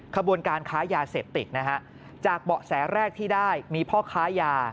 ขบวนการค้ายาเสพติดนะฮะจากเบาะแสแรกที่ได้มีพ่อค้ายา